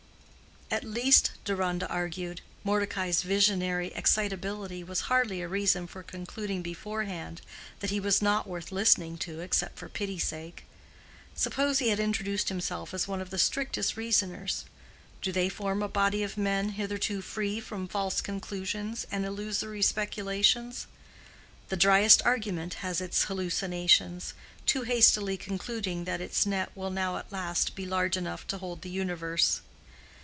At least, Deronda argued, Mordecai's visionary excitability was hardly a reason for concluding beforehand that he was not worth listening to except for pity's sake. Suppose he had introduced himself as one of the strictest reasoners. Do they form a body of men hitherto free from false conclusions and illusory speculations? The driest argument has its hallucinations, too hastily concluding that its net will now at last be large enough to hold the universe.